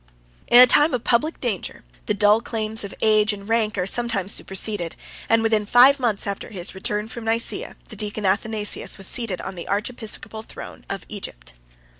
In a time of public danger, the dull claims of age and of rank are sometimes superseded; and within five months after his return from Nice, the deacon Athanasius was seated on the archiepiscopal throne of Egypt.